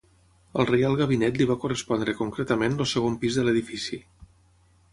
Al Reial Gabinet li va correspondre concretament el segon pis de l'edifici.